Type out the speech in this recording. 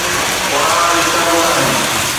پراڻا رشتا به آهن.